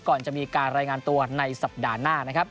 ก่อนจะมีการรายงานตัวในสัปดาห์หน้านะครับ